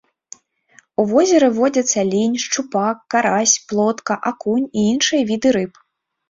У возеры водзяцца лінь, шчупак, карась, плотка, акунь і іншыя віды рыб.